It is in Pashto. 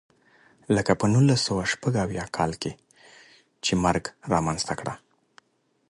لکه په نولس سوه شپږ اویا کال کې چې مرګ رامنځته کړه.